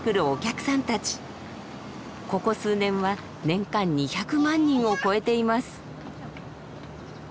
ここ数年は年間２００万人を超えています。